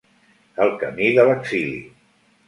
El camí de l’exili.